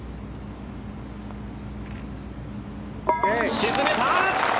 沈めた！